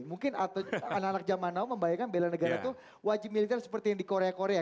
mungkin atau anak anak zaman now membayangkan bela negara itu wajib militer seperti yang di korea korea